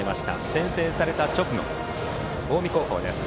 先制された直後の近江高校です。